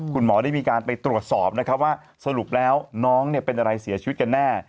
คุณหมอได้มีการไปตรวจสอบนะครับว่าสรุปแล้วน้องเป็นอะไรเสียชีวิตกันแน่